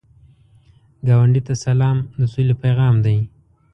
ګاونډي ته سلام، د سولې پیغام دی